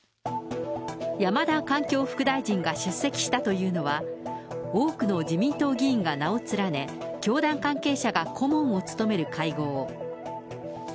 山田環境副大臣が出席したというのは、多くの自民党議員が名を連ね、教団関係者が顧問を務める会合。